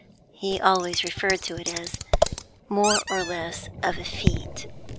He always referred to it as more or less of a feat.